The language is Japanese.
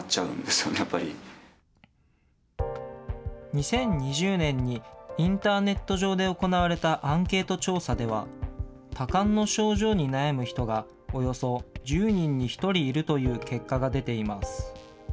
２０２０年にインターネット上で行われたアンケート調査では、多汗の症状に悩む人が、およそ１０人に１人いるという結果が出ています。